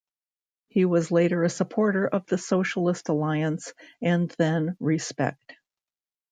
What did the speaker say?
He was later a supporter of the Socialist Alliance and then Respect.